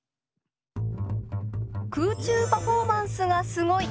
空中パフォーマンスがすごい！